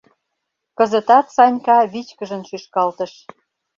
Кызытат Санька вичкыжын шӱшкалтыш.